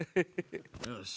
よし。